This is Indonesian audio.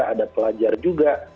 ada pelajar juga